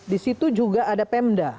di situ juga ada pemda